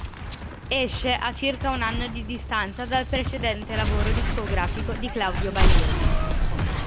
Esce a circa un anno di distanza dal precedente lavoro discografico di Claudio Baglioni.